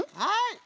はい。